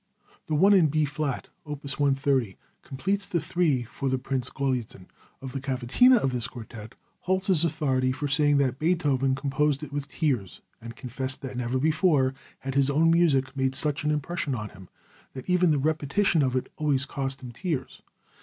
The one in B Flat, opus 130, completes the three for Prince Galitzin. Of the Cavatina of this quartet, Holz is authority for saying that Beethoven composed it with tears, and confessed that never before had his own music made such an impression on him; that even the repetition of it always cost him tears.